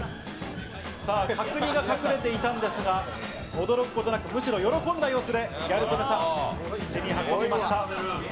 さあ、角煮が隠れていたんですが、驚くことなく、むしろ喜んだ様子でギャル曽根さん、口に運びました。